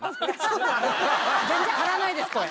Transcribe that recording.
全然張らないです声。